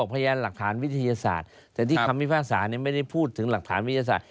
พยานหลักฐานวิทยาศาสตร์แต่ที่คำพิพากษาไม่ได้พูดถึงหลักฐานวิทยาศาสต